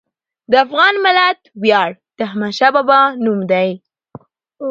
د افغان ملت ویاړ د احمدشاه بابا نوم دی.